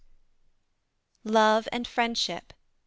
LOVE AND FRIENDSHIP.